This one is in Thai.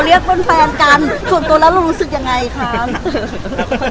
เรียกเป็นแฟนกันส่วนตัวแล้วรู้สึกยังไงครับ